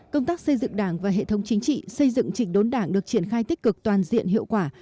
công tác xây dựng đảng và hệ thống chính trị xây dựng trịnh đốn đảng được triển khai tích cực toàn diện hiệu quả